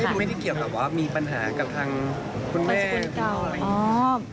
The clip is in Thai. คือไม่ได้เกี่ยวกับว่ามีปัญหากับทางคุณแม่อะไรอย่างนี้